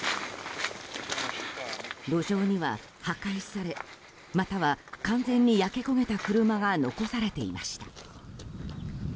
路上には、破壊されまたは完全に焼け焦げた車が残されていました。